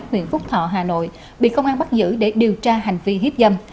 huyện phúc thọ hà nội bị công an bắt giữ để điều tra hành vi hiếp dâm